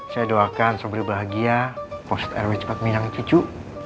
saya doakan seberi bahagia pak ustadz rw cepat minang cucu